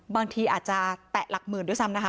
บางทีอาจจะแตะหลักหมื่นด้วยซ้ำนะคะ